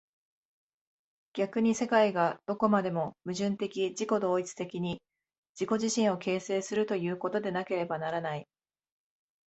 逆に世界がどこまでも矛盾的自己同一的に自己自身を形成するということでなければならない。